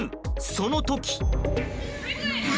その時。